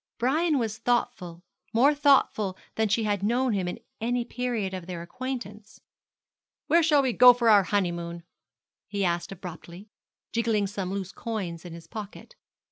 Brian was thoughtful, more thoughtful than she had known him in any period of their acquaintance. 'Where shall we go for our honeymoon? he asked abruptly, jingling some loose coins in his pocket.